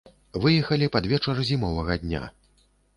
Выехалі пад вечар зімовага дня.